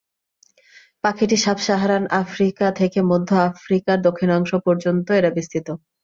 পাখিটি sub Saharan Africa থেকে মধ্য আফ্রিকার দক্ষিণাংশ পর্যন্ত এরা বিস্তৃত।